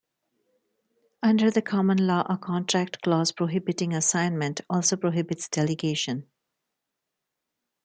Under the common law, a contract clause prohibiting assignment also prohibits delegation.